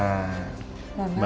ya terima kasih pak